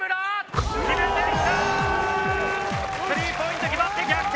スリーポイント決まって逆転！